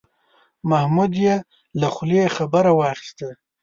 محمود یې له خولې خبره واخیسته.